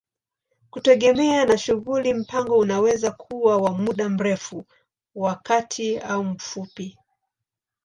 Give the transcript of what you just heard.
Kutegemea na shughuli, mpango unaweza kuwa wa muda mrefu, wa kati au mfupi.